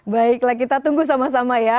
baiklah kita tunggu sama sama ya